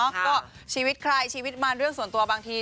ก็ชีวิตใครชีวิตมันเรื่องส่วนตัวบางที